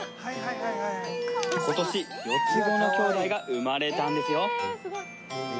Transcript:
今年４つ子のきょうだいが生まれたんですよ